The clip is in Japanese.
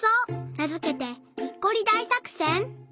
なづけて「にっこり大さくせん」？